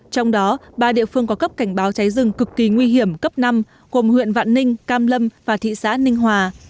trong đó ba địa phương có cấp cảnh báo cháy rừng cực kỳ nguy hiểm cấp năm gồm huyện vạn ninh cam lâm và thị xã ninh hòa